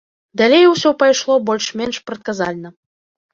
Далей усё прайшло больш-менш прадказальна.